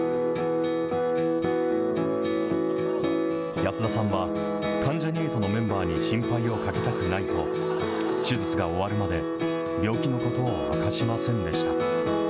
安田さんは関ジャニ∞のメンバーに心配をかけたくないと、手術が終わるまで病気のことを明かしませんでした。